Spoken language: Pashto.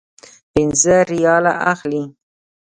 پنځه ریاله اخلي.